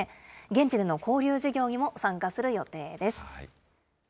現地での交流事業にも参加する予定です。